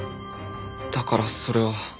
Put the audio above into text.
だからそれは。